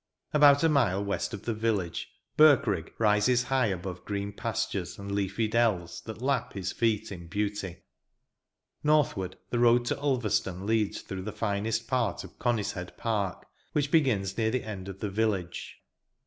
About a mile west of the village Birkrigg rises high above green pastures and leafy dells that lap his feet in beauty. Northward, the road to Ulverstone leads through the finest part of Conishead Park, which begins near the end of the village.